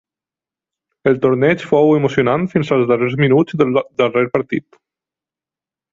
El torneig fou emocionant fins als darrers minuts del darrer partit.